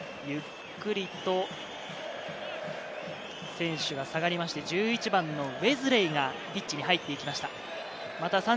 ゆっくりと選手が下がりまして、１１番のウェズレイがピッチに入っていきました。